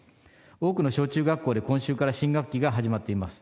多くの小中学校で、今週から新学期が始まっています。